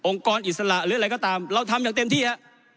กรอิสระหรืออะไรก็ตามเราทำอย่างเต็มที่ฮะ